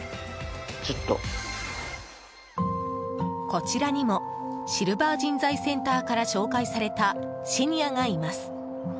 こちらにもシルバー人材センターから紹介されたシニアがいます。